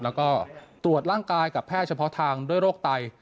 แล้วก็ตรวจร่างกายกับแพทย์เฉพาะทางด้วยโรคไต